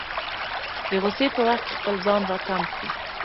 د غوسې په وخت کې خپل ځان راتم کړي.